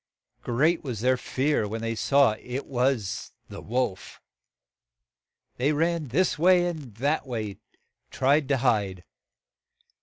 Great was their fear when they saw it was the wolf. They ran this way and that way to try to hide.